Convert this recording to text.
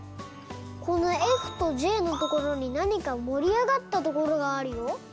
このｆとｊのところになにかもりあがったところがあるよ。